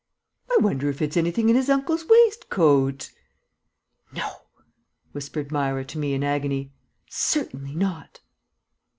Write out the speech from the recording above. "I wonder if it's anything in his uncle's waistcoat?" "No!" whispered Myra to me in agony. "Certainly not."